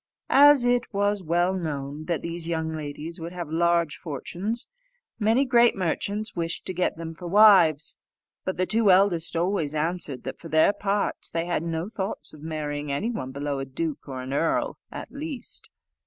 As it was well known that these young ladies would have large fortunes, many great merchants wished to get them for wives; but the two eldest always answered, that, for their parts, they had no thoughts of marrying any one below a duke or an earl at least.